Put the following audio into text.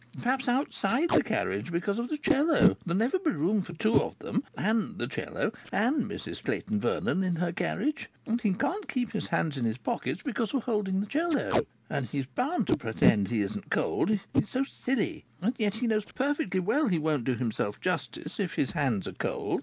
Perhaps outside the carriage, because of the 'cello! There'll never be room for two of them and the 'cello and Mrs Clayton Vernon in her carriage! And he can't keep his hands in his pockets because of holding the 'cello. And he's bound to pretend he isn't cold. He's so silly. And yet he knows perfectly well he won't do himself justice if his hands are cold.